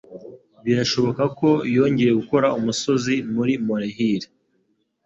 Birashoboka ko yongeye gukora umusozi muri molehill